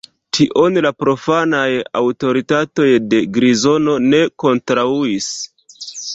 Tion la profanaj aŭtoritatoj de Grizono ne kontraŭis.